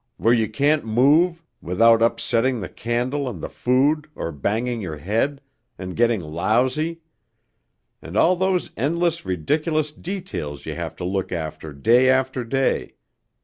where you can't move without upsetting the candle and the food, or banging your head ... and getting lousy. And all those endless ridiculous details you have to look after day after day